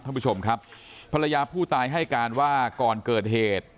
ท่านผู้ชมครับภรรยาผู้ตายให้การว่าก่อนเกิดเหตุ